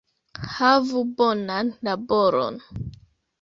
Havu bonan laboron